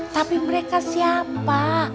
tapi mereka siapa